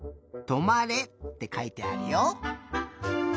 「止まれ」ってかいてあるよ。